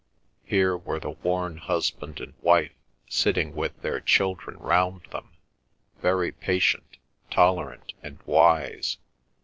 Here were the worn husband and wife sitting with their children round them, very patient, tolerant, and wise.